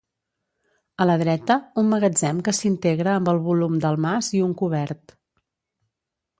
A la dreta, un magatzem que s'integra amb el volum del mas i un cobert.